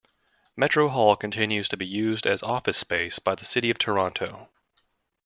Metro Hall continues to be used as office space by the City of Toronto.